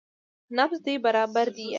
نبض دې برابر ديه.